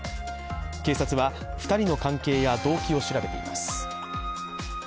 警察は２人の関係や動機を調べています。